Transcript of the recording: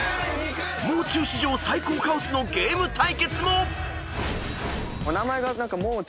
［もう中史上最高カオスのゲーム対決も］